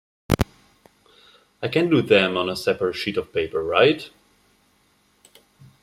I can do them on a separate sheet of paper, right?